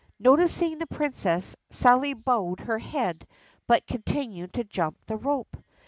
Noticing the Princess, Sally bowed her head but continued to jump the rope.